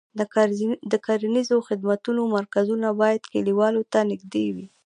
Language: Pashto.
د کرنیزو خدمتونو مرکزونه باید کليوالو ته نږدې وي.